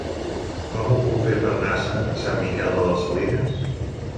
Com ho puc fer per anar a Sant Miquel de les Salines?